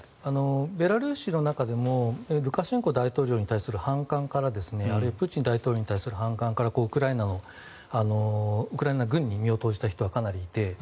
ベラルーシの中でもルカシェンコ大統領に対する反感からあるいはプーチン大統領に対する反感からウクライナ軍に身を投じた人はかなりいて。